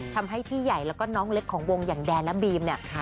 พี่ใหญ่แล้วก็น้องเล็กของวงอย่างแดนและบีมเนี่ย